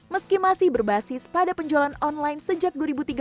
meski masih berbasis pada penjualan online sejak dua ribu tiga belas